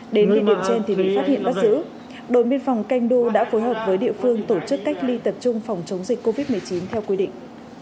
đến thời điểm trên thì bị phát hiện bắt giữ đồn biên phòng canh du đã phối hợp với địa phương tổ chức cách ly tập trung phòng chống dịch covid một mươi chín theo quy định